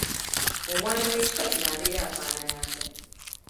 Omwana w'ekika kino abeera afaanana atya?